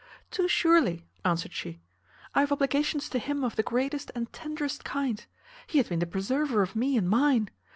"Too surely," answered she, "I have obligations to him of the greatest and tenderest kind. He hath been the preserver of me and mine.